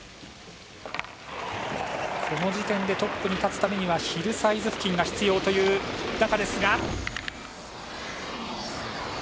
この時点でトップに立つためにはヒルサイズ付近が必要という中。